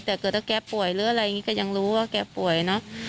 แต่เกิดถ้าแกป่วยหรืออะไรอย่างนี้ก็ยังรู้ว่าแกป่วยเนอะ